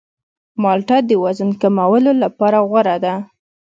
مالټه د وزن کمولو لپاره غوره ده.